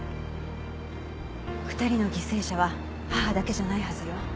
２人の犠牲者は母だけじゃないはずよ。